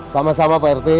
sama sama pak erti